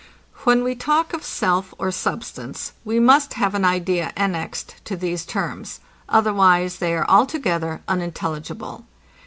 When we talk of self or substance, we must have an idea annexed to these terms, otherwise they are altogether unintelligible.